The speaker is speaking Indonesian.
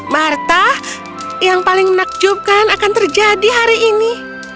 marta yang paling menakjubkan akan terjadi hari ini